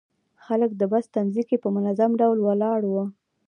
خلک د بس تمځي کې په منظم ډول ولاړ وو.